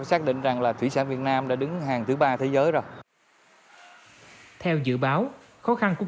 xác định rằng là thủy sản việt nam đã đứng hàng thứ ba thế giới rồi theo dự báo khó khăn của